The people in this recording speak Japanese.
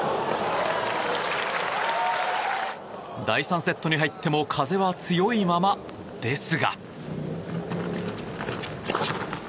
第３セットに入っても風は強いままですが。